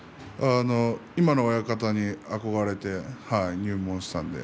今の親方に憧れて入門しました。